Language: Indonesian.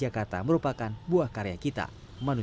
agar seseorang jangan kasut karena